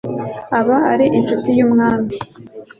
aba ari incuti y’umwami